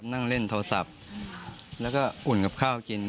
นั่งเล่นโทรศัพท์แล้วก็อุ่นกับข้าวกิน